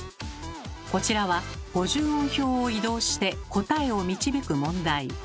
こちらは５０音表を移動して答えを導く問題。